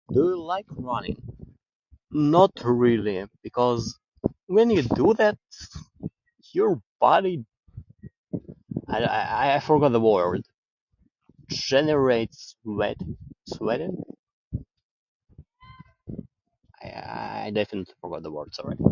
Do you like running? Not really, because when you do that, your body I, I, I forgot the word. Generates red, sweating? I, I, I definitely forgot the word, sorry.